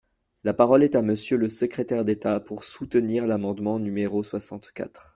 La parole est à Monsieur le secrétaire d’État, pour soutenir l’amendement numéro soixante-quatre.